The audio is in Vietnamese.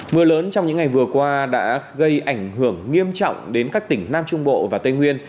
mưa lớn trong những ngày vừa qua đã gây ảnh hưởng nghiêm trọng đến các tỉnh nam trung bộ và tây nguyên